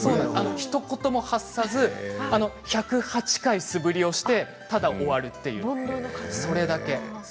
ひと言も発さず１０８回素振りをしてただ終わるというただそれだけ。